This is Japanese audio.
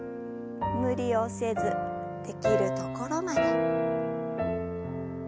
無理をせずできるところまで。